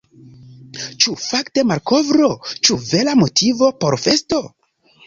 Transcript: Ĉu fakte malkovro, ĉu vera motivo por festo?